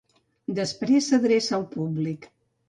Després s'adreça al públic.